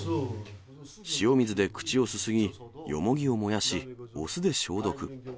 塩水で口をすすぎ、よもぎを燃やし、お酢で消毒。